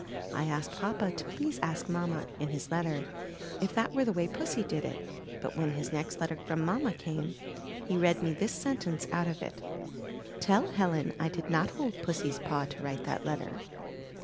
I asked papa to please ask mamma, in his letter, if that were the way Pussy did it; but when his next letter from mamma came, he read me this sentence out of it: *'Tell Helen I did not hold Pussy's paw to write that letter.''